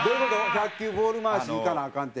１００球ボール回しいかなアカンって。